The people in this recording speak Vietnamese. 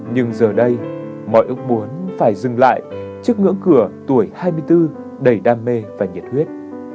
nhưng giờ đây mọi ước muốn phải dừng lại trước ngưỡng cửa tuổi hai mươi bốn đầy đam mê và nhiệt huyết